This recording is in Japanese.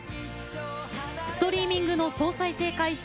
ストリーミングの総再生回数